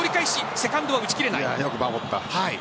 セカンドは打ちきれない。